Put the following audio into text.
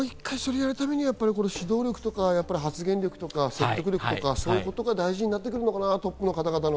指導力とか発言力とか説得力とか、そういうことが大事になってくるのかな、トップの方々の。